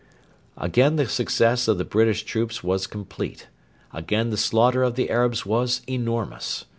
Again the success of the British troops was complete; again the slaughter of the Arabs was enormous.